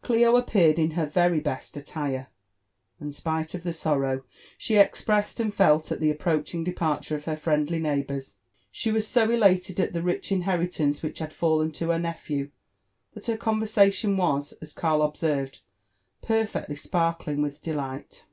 Clio appeared in her very best attire ; and, spile of the sorrow she expressed and felt at the approaching departu re of her friendly neigh bours, she wasso elated at the rich inheritance which had fallen to her nephew, that her conversation was, as Karl observed} perfectly spar* kiing with delight.